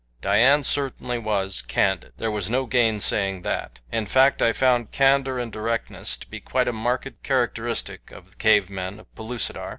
Dian certainly was candid. There was no gainsaying that. In fact I found candor and directness to be quite a marked characteristic of the cave men of Pellucidar.